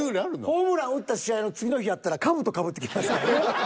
ホームラン打った試合の次の日やったらかぶとかぶって来ますからね。